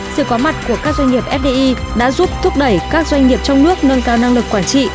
sự có mặt của các doanh nghiệp fdi đã giúp thúc đẩy các doanh nghiệp trong nước nâng cao năng lực quản trị